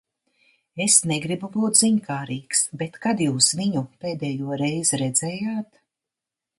Es negribu būt ziņkārīgs, bet kad jūs viņu pēdējoreiz redzējāt?